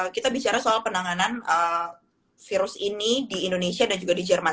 kita bicara soal penanganan virus ini di indonesia dan juga di jerman